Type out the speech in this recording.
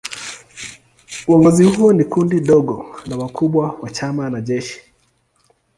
Uongozi huo ni kundi dogo la wakubwa wa chama na jeshi.